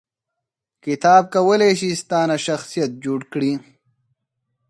کتاب کولای شي ستا نه شخصیت جوړ کړي